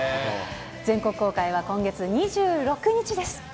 全国公開は今月２６日です。